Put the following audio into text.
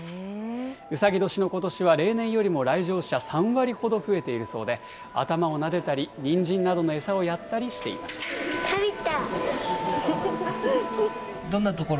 うさぎ年のことしは、例年よりも来場者、３割ほど増えているそうで、頭をなでたり、にんじんなどの餌をやったりしていました。